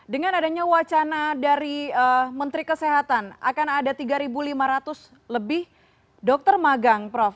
dengan adanya wacana dari menteri kesehatan akan ada tiga lima ratus lebih dokter magang prof